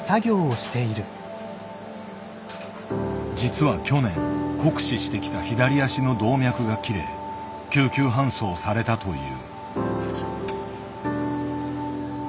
実は去年酷使してきた左足の動脈が切れ救急搬送されたという。